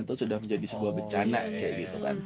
itu sudah menjadi sebuah bencana kayak gitu kan